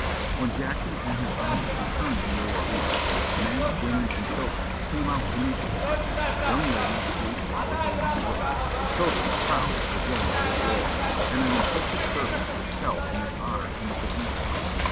When Jackson and his army returned to New Orleans, men, women, and children came out to meet them. Young ladies strewed flowers along the way; children crowned the general with laurel, and an impressive service was held in his honor in the Cathedral.